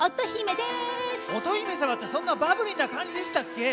乙姫さまってそんなバブリーなかんじでしたっけ？